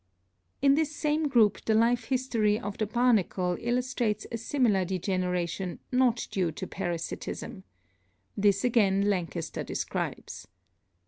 In this same group the life history of the barnacle illus trates a similar degeneration not due to parasitism. This again Lankester describes.